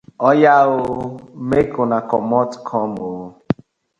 Oya ooo!! Mek una komot kom oo!